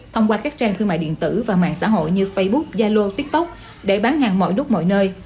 thông qua các trang thương mại điện tử và mạng xã hội như facebook zalo tiktok để bán hàng mọi lúc mọi nơi